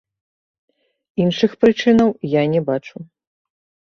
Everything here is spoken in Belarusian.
Іншых прычынаў я не бачу.